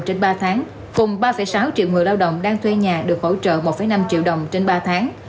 trên ba tháng cùng ba sáu triệu người lao động đang thuê nhà được hỗ trợ một năm triệu đồng trên ba tháng